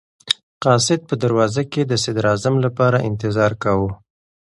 قاصد په دروازه کې د صدراعظم لپاره انتظار کاوه.